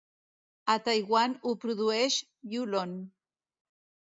A Taiwan ho produeix Yulon.